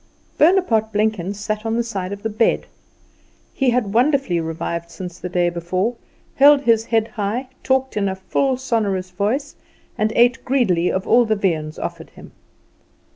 Bonaparte Blenkins sat on the side of the bed. He had wonderfully revived since the day before, held his head high, talked in a full sonorous voice, and ate greedily of all the viands offered him.